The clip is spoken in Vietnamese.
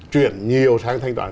chuyển nhiều sang thanh toán